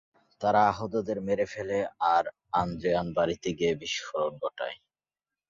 তারা আহতদের মেরে ফেলে, আর আন্দ্রেয়ার বাড়িতে গিয়ে বিস্ফোরণ ঘটায়।